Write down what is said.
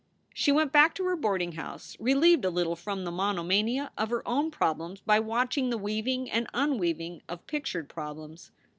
She went back to her boarding house relieved a little from the monomania of her own problems by watching the weaving and unweaving of pictured problems.